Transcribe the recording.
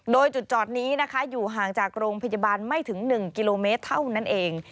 โดยจุดจอดนี้นะคะอยู่ห่างจากโรงพยาบาลไม่ถึง๑กิโลเมตรเท่านั้นเอง